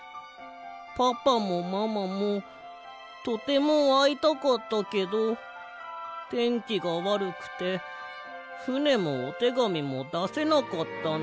パパもママもとてもあいたかったけどてんきがわるくてふねもおてがみもだせなかったの。